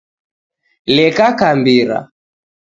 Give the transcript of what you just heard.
Leka kambira